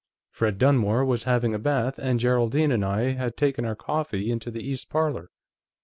Fred Dunmore was having a bath, and Geraldine and I had taken our coffee into the east parlor.